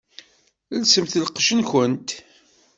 Elsemt lqecc-nkent!